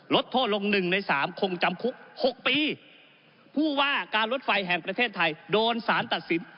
ลดโทษลงหนึ่งในสามคงจำคุกหกปีผู้ว่าการรถไฟแห่งประเทศไทยโดนสารตัดสิน